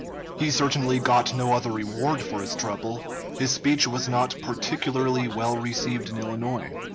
He certainly got no other reward for his trouble. His speech was not particularly well received in Illinois.